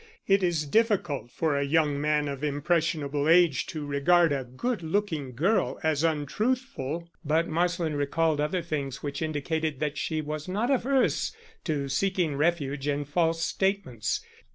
It is difficult for a young man of impressionable age to regard a good looking girl as untruthful, but Marsland recalled other things which indicated that she was not averse to seeking refuge in false statements.